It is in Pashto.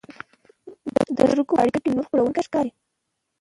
د سترګو په اړیکه نور خوړونکي ښکاري.